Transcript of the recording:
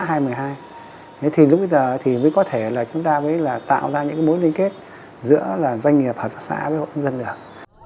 thế thì lúc bây giờ thì mới có thể là chúng ta mới là tạo ra những cái mối liên kết giữa doanh nghiệp hợp tác xã với hộ nông dân được